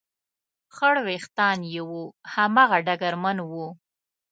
خړ وېښتان یې و، هماغه ډګرمن و.